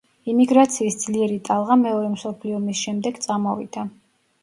იმიგრაციის ძლიერი ტალღა მეორე მსოფლიო ომის შემდეგ წამოვიდა.